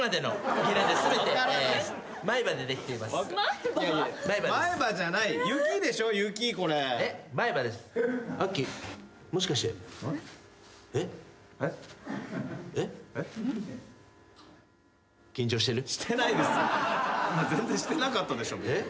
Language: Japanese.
今全然してなかったでしょ。